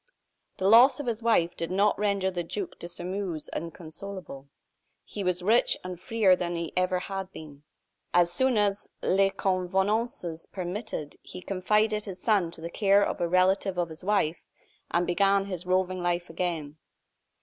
The loss of his wife did not render the Duc de Sairmeuse inconsolable. He was free and richer than he had ever been. As soon as les convenances permitted, he confided his son to the care of a relative of his wife, and began his roving life again.